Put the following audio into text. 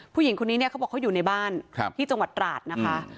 ผู้หญิงคนนี้เนี่ยเขาบอกเขาอยู่ในบ้านที่จังหวัดตราดนะคะ